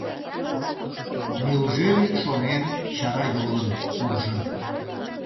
Неужели, шонем, чара йолын куржын?